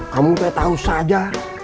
kamu tuh yang tau saja